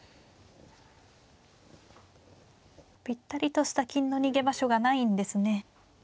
ぴったりとした金の逃げ場所がないんですね。